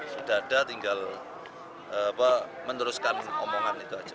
sudah ada tinggal meneruskan omongan itu aja